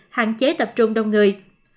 hạn chế tập trung đông người